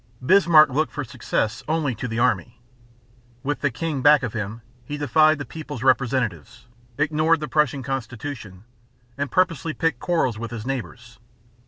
Bismarck looked for success only to the army. With the king back of him, he defied the people's representatives, ignored the Prussian constitution, and purposely picked quarrels with his neighbors.